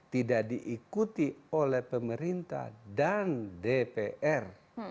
tidak diikuti oleh pemerintah dan dpr